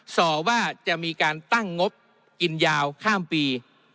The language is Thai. ส่อว่าจะมีการตั้งงบกินยาวข้ามปี